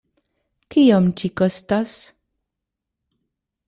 Kiom ĝi kostas?